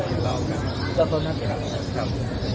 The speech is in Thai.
ก็พอมาเจอวันที่เกิดเหตุครับ